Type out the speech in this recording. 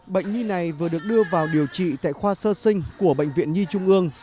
bệnh nhi này vừa được đưa vào điều trị tại khoa sơ sinh của bệnh viện nhi trung ương